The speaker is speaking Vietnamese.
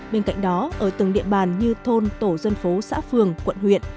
bên cạnh đó ở từng địa bàn như thôn tổ dân phố xã phường quận huyện